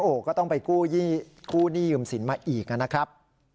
โอ้โหก็ต้องไปกู้หนี้ยืมสินมาอีกนะครับ